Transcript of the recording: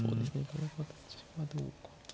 この形がどうか。